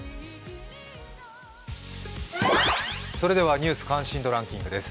「ニュース関心度ランキング」です。